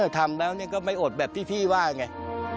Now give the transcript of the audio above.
ทำแล้วก็ไม่อดแบบที่พี่ว่าไง